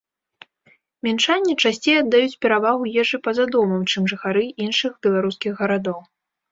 Мінчане часцей аддаюць перавагу ежы па-за домам, чым жыхары іншых беларускіх гарадоў.